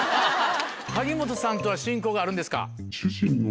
萩本さんとの親交があるんですか？